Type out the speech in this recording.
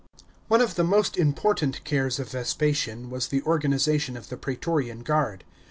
*§ 7. One of the most important cares of Vespasian was the organisation of the praetorian guard.